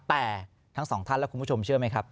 แต่ทั้งสองท่านและคุณผู้ชมเชื่อไหมครับ